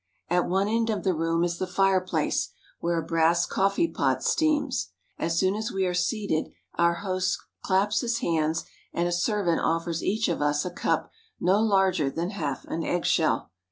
At one end of the room is the fireplace, where a brass coffee pot steams. As soon as we are seated our host claps his hands, and a servant offers each of us a cup no larger than half an eggshell.